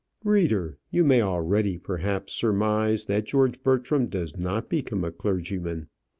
Reader! you may already, perhaps, surmise that George Bertram does not become a clergyman.